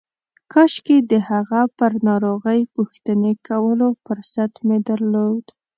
کاشکې د هغه پر ناروغۍ پوښتنې کولو فرصت مې درلود.